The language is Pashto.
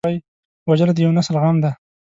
وژنه د یو نسل غم دی